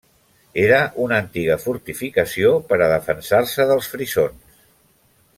Era una antiga fortificació per a defensar-se dels frisons.